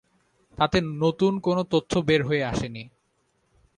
তাতে নতুন কোনো তথ্য বের হয়ে আসে নি।